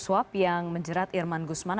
swap yang menjerat yerman gusman